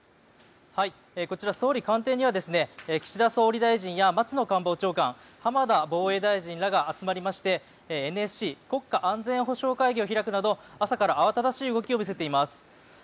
こちら、総理官邸には岸田総理大臣や松野官房長官浜田防衛大臣らが集まりましてＮＳＣ・国家安全保障会議を開くなど朝から慌ただしい動きを見せています。